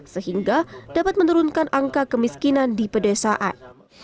sehingga dapat menurunkan angka kemiskinan di pedesaan